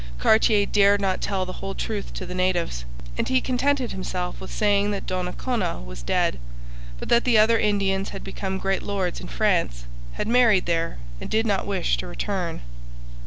Cartier dared not tell the whole truth to the natives, and he contented himself with saying that Donnacona was dead, but that the other Indians had become great lords in France, had married there and did not wish to return.